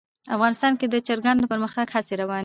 افغانستان کې د چرګانو د پرمختګ هڅې روانې دي.